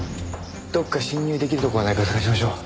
どこか侵入出来るところがないか探しましょう。